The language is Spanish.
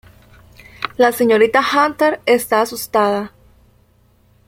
La señorita Hunter está asustada.